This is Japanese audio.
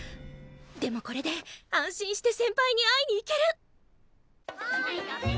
でもこれで安心して先輩に会いに行ける！